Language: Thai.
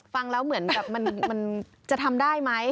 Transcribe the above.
ฟังแล้วเหมือนแบบมันจะทำได้ไหม